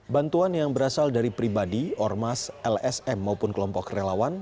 bantuan yang berasal dari pribadi ormas lsm maupun kelompok relawan